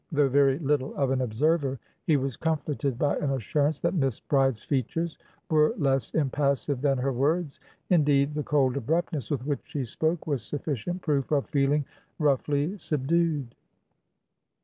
Though very little of an observer, he was comforted by an assurance that Miss Bride's features were less impassive than her words. Indeed, the cold abruptness with which she spoke was sufficient proof of feeling roughly subdued.